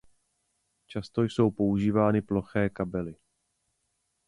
Často jsou používány ploché kabely.